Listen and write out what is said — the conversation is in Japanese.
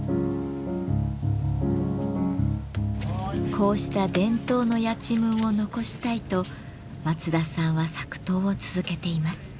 こうした伝統のやちむんを残したいと松田さんは作陶を続けています。